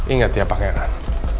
ingat ya pangeran